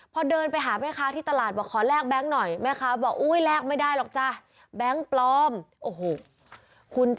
พอเดินไปหาแม่ค้าที่ตลาดบอกขอแลกแบงค์หน่อย